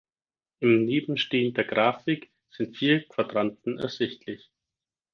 In nebenstehender Grafik sind vier Quadranten ersichtlich.